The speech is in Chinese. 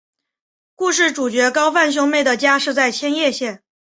故事主角高坂兄妹的家是在千叶县。